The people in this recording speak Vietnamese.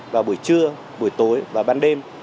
vào buổi trưa buổi tối và ban đêm